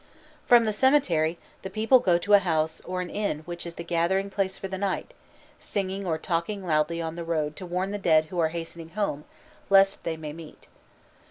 From the cemetery the people go to a house or an inn which is the gathering place for the night, singing or talking loudly on the road to warn the dead who are hastening home, lest they may meet.